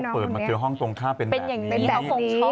เปิดมาเจอห้องตรงข้ามเป็นแบบนี้